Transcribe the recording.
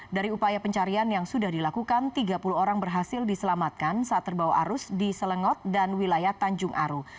dari upaya pencarian yang sudah dilakukan tiga puluh orang berhasil diselamatkan saat terbawa arus di selengot dan wilayah tanjung aru